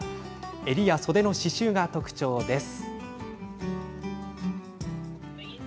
襟や袖の刺しゅうが特徴です。